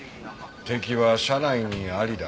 「敵は社内にあり」だ。